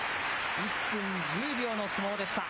１分１０秒の相撲でした。